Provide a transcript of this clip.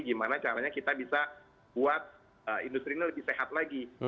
gimana caranya kita bisa buat industri ini lebih sehat lagi